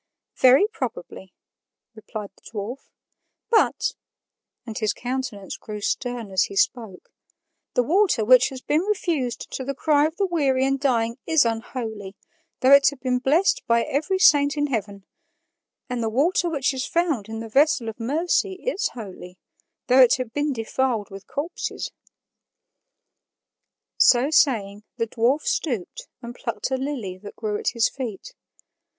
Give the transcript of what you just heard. "Very probably," replied the dwarf, "but" (and his countenance grew stern as he spoke) "the water which has been refused to the cry of the weary and dying is unholy, though it had been blessed by every saint in heaven; and the water which is found in the vessel of mercy is holy, though it had been defiled with corpses." So saying, the dwarf stooped and plucked a lily that grew at his feet.